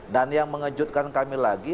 dan yang mengejutkan kami lagi